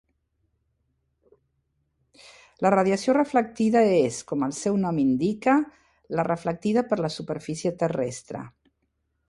La radiació reflectida és, com el seu nom indica, la reflectida per la superfície terrestre.